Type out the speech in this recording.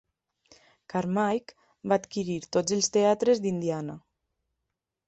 Carmike va adquirir tots els teatres d'Indiana.